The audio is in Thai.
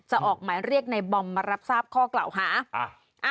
ออกหมายเรียกในบอมมารับทราบข้อกล่าวหา